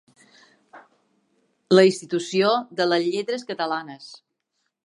La Institució de les Lletres Catalanes.